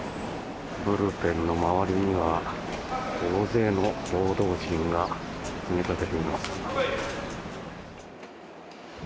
ブルペンの周りには大勢の報道陣が詰めかけています。